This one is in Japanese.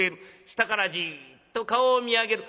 下からじっと顔を見上げる。